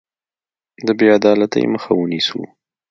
د بې عدالتۍ مخه ونیسو.